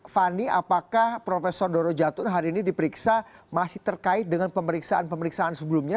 fani apakah profesor doro jatun hari ini diperiksa masih terkait dengan pemeriksaan pemeriksaan sebelumnya